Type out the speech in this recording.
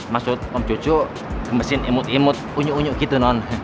maksud om jojo gemesin imut imut unyu unyu gitu non